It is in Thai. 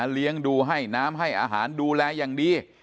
เลี้ยงดูให้น้ำให้อาหารดูแลอย่างดี